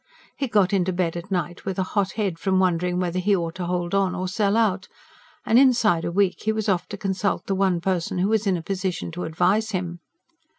He got into bed at night with a hot head, from wondering whether he ought to hold on or sell out; and inside a week he was off to consult the one person who was in a position to advise him.